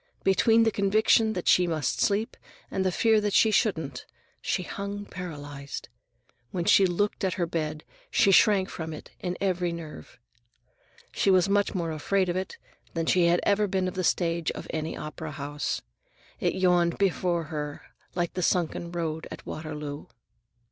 Between the conviction that she must sleep and the fear that she couldn't, she hung paralyzed. When she looked at her bed, she shrank from it in every nerve. She was much more afraid of it than she had ever been of the stage of any opera house. It yawned before her like the sunken road at Waterloo.